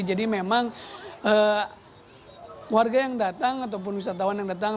jadi memang warga yang datang ataupun wisatawan yang datang